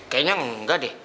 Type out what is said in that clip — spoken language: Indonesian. kayaknya enggak deh